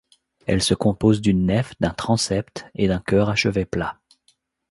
Elle se compose d'une nef, d'un transept et d'un chœur à chevet plat.